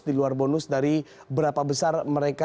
di luar bonus dari berapa besar mereka